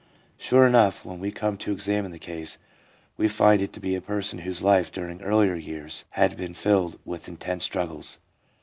Sure enough, when we come to examine the case, we find it to be a person whose life during earlier years had been filled with intense struggles.